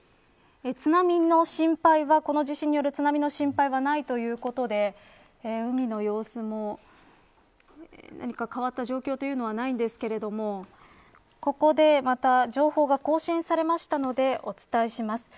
この地震による津波の心配はないということで海の様子も何か変わった状況というのはないんですけれどもここでまた情報が更新されましたのでお伝えします。